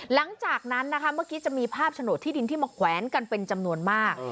หลังจากนั้นนะคะเมื่อกี้จะมีภาพโฉนดที่ดินที่มาแขวนกันเป็นจำนวนมาก